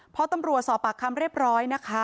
พอตำรวจสอบปากคำเรียบร้อยนะคะ